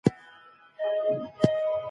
مشرانو به خپل سفارتونه پرانیستي وي.